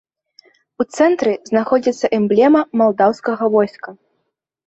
У цэнтры знаходзіцца эмблема малдаўскага войска.